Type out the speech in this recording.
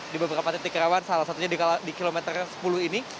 di beberapa titik rawan salah satunya di kilometer sepuluh ini